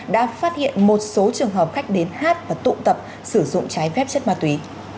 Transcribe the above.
đã phát hiện một số trường hợp khách đến hát và tụ tập sử dụng trái phép chất ma túy